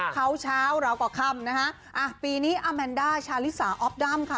เขาเช้าเราก็ค่ำนะฮะอ่ะปีนี้อาแมนด้าชาลิสาออฟดัมค่ะ